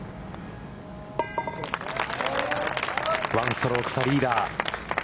１ストローク差リーダー。